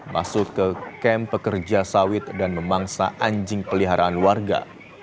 masuk ke kamp pekerja sawit dan memangsa anjing peliharaan warga